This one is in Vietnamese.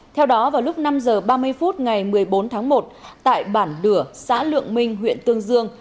theo đó vào lúc năm h ba mươi phút ngày một mươi bốn tháng một tại bản đửa xã lượng minh huyện tương dương